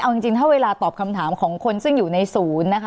เอาจริงถ้าเวลาตอบคำถามของคนซึ่งอยู่ในศูนย์นะคะ